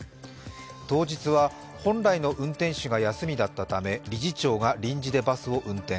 当日は本来の運転手が休みだったため理事長が臨時でバスを運転。